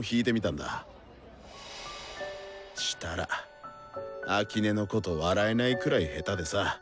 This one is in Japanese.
したら秋音のこと笑えないくらい下手でさ。